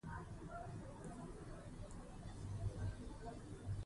هغې په خپلو اثارو د چاپ هڅه کوله.